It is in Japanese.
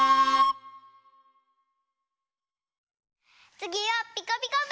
つぎは「ピカピカブ！」